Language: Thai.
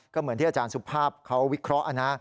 ก็เหมือนที่อาจารย์สุภาพเขาวิเคราะห์นะ